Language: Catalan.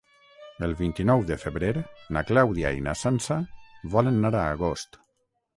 El vint-i-nou de febrer na Clàudia i na Sança volen anar a Agost.